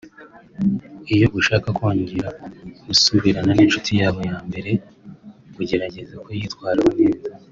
Iyo ushaka kongera gusubirana n’inshuti yawe yambere ugerageza kuyitwaraho neza